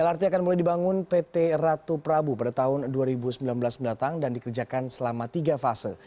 lrt akan mulai dibangun pt ratu prabu pada tahun dua ribu sembilan belas mendatang dan dikerjakan selama tiga fase